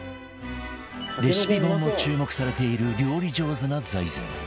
レシピ本も注目されている料理上手な財前